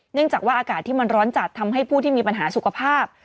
เนื่องจากว่าอากาศที่มันร้อนจัดทำให้ผู้ที่มีปัญหาสุขภาพ